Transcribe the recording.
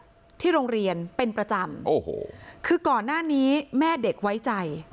ที่โรงเรียนเป็นประจำโอ้โหคือก่อนหน้านี้แม่เด็กไว้ใจ